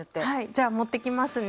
じゃあ持ってきますね。